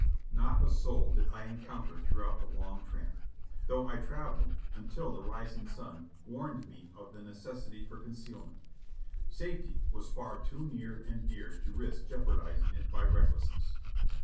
Not a soul did I encounter throughout the long tramp, though I traveled until the rising sun warned me of the necessity for concealment. Safety was far too near and dear to risk jeopard izing it by recklessness.